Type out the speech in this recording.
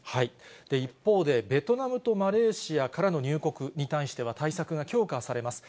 一方で、ベトナムとマレーシアからの入国に対しては、対策が強化されます。